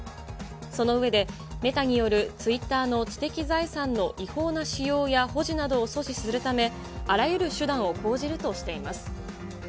その上で、メタによるツイッターの知的財産の違法な使用や保持などを阻止するため、あらゆる手段を講じるとしています。